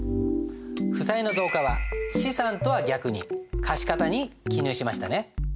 負債の増加は資産とは逆に貸方に記入しましたね。